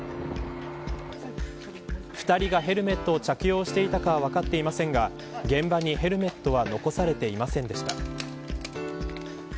２人がヘルメットを着用していたかは分かっていませんが現場にヘルメットは残されていませんでした。